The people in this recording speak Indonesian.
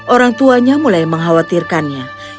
orang tuanya mulai mengkhawatirkannya